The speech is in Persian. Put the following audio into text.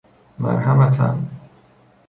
مرحمة ً